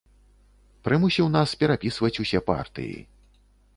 Прымусіў нас перапісваць усе партыі.